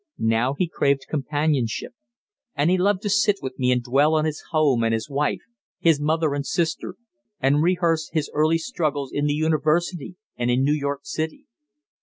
Now he craved companionship, and he loved to sit with me and dwell on his home and his wife, his mother and sister, and rehearse his early struggles in the university and in New York City.